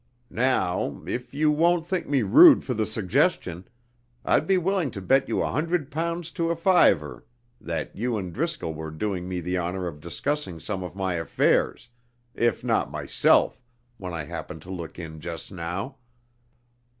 "Now, if you won't think me rude for the suggestion, I'd be willing to bet you a hundred pounds to a fiver that you and Driscoll were doing me the honour of discussing some of my affairs, if not myself, when I happened to look in just now."